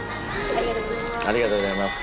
ありがとうございます。